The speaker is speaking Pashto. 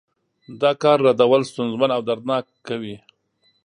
دا کار رودل ستونزمن او دردناک کوي.